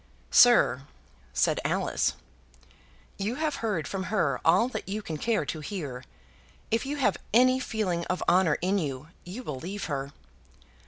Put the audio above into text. "Sir," said Alice, "you have heard from her all that you can care to hear. If you have any feeling of honour in you, you will leave her."